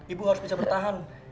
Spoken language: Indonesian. ibu harus bisa bertahan